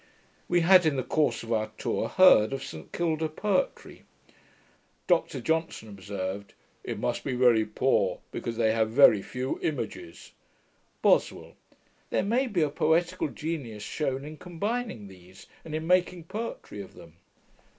We had, in the course of our tour, heard of St Kilda poetry. Dr Johnson observed, 'it must be very poor, because they have very few images.' BOSWELL. 'There may be a poetical genius shewn in combining these, and in making poetry of them.'